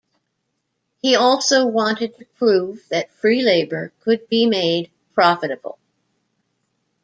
He also wanted to prove that free labour could be made profitable.